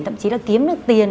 thậm chí là kiếm được tiền